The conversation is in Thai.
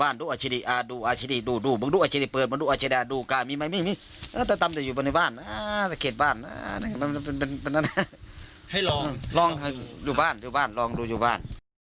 นี่ฮะพระอาจารย์ลายบอกลองดูอยู่บ้าน